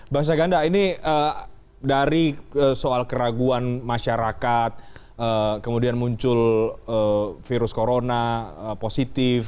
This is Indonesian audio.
bang saganda ini dari soal keraguan masyarakat kemudian muncul virus corona positif